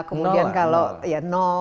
kemudian kalau nol